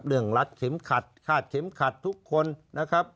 รัดเข็มขัดคาดเข็มขัดทุกคนนะครับ